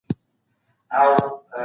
ایا مړینه په رښتیا درد لري؟